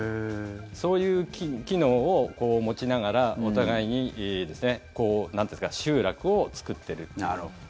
そういう機能を持ちながらお互いになんというんですか集落を作ってる。